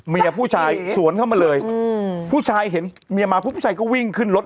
เมียผู้ชายสวนเข้ามาเลยอืมผู้ชายเห็นเมียมาปุ๊บผู้ชายก็วิ่งขึ้นรถ